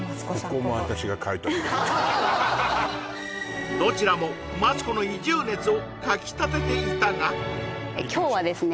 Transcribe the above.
ここどちらもマツコの移住熱をかき立てていたがいきましょうか今日はですね